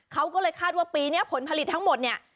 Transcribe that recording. เขาก็เลยคาดว่าปีนี้ผลผลิตทั้งหมดเนี่ย